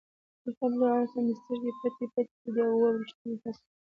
د خوب له لاسه مې سترګې پټې پټې کېدې، اوه ویشتم فصل.